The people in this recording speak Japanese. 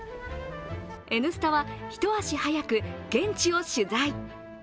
「Ｎスタ」は一足早く、現地を取材。